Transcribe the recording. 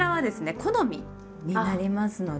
好みになりますので。